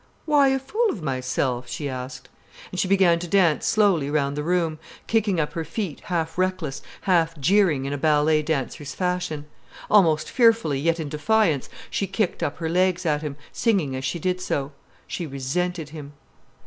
"Why a fool of myself?" she asked. And she began to dance slowly round the room, kicking up her feet half reckless, half jeering, in a ballet dancer's fashion. Almost fearfully, yet in defiance, she kicked up her legs at him, singing as she did so. She resented him.